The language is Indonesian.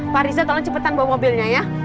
pak riza tolong cepetan bawa mobilnya ya